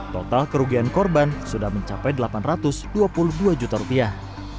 total kerugian korban sudah mencapai delapan ratus dua puluh dua juta rupiah